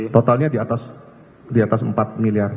totalnya di atas empat miliar